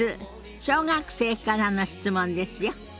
小学生からの質問ですよ。